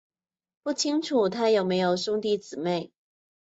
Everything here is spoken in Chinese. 不清楚他有没有兄弟姊妹。